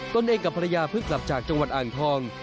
ตนเองกับภรรยาเพิ่งกลับจากจังหวัดอ่างทอง